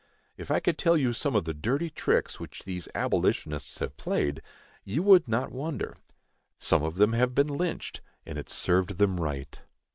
If I could tell you some of the dirty tricks which these abolitionists have played, you would not wonder. Some of them have been Lynched, and it served them right.